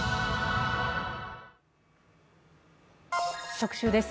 特集です。